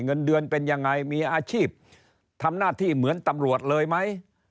เงินเดือนเป็นยังไงมีอาชีพทำหน้าที่เหมือนตำรวจเลยไหม